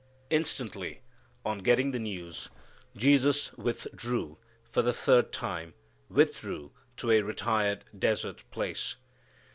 Instantly on getting the news Jesus "withdrew" for the third time withdrew to a retired desert place.